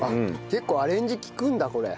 結構アレンジ利くんだこれ。